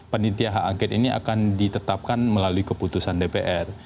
penitia hak angket ini akan ditetapkan melalui keputusan dpr